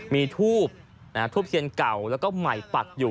มีทูบทูบเทียนเก่าแล้วก็ใหม่ปักอยู่